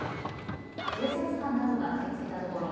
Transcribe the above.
警察官などが駆けつけたところ